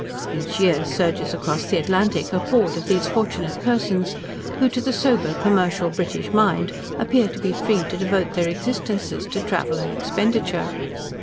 Each year surges across the Atlantic a horde of these fortunate persons, who, to the sober, commercial British mind, appear to be free to devote their existences to travel and expenditure.